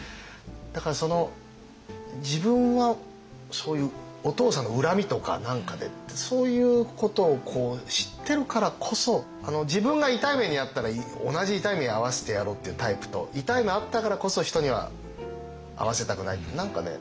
だから自分はそういうお父さんの恨みとか何かでそういうことを知ってるからこそ自分が痛い目にあったら同じ痛い目にあわせてやろうっていうタイプと痛い目あったからこそ人にはあわせたくないって何かね